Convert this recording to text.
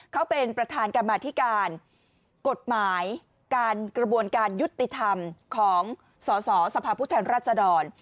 เขาเป็นประธานกรรมธิการกฎหมายการกระบวนการยุติธรรมของสสสภาพผู้แทนราชดร